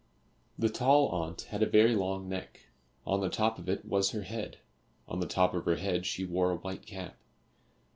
The tall aunt had a very long neck; on the top of it was her head, on the top of her head she wore a white cap.